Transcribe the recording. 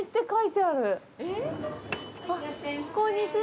こんにちは。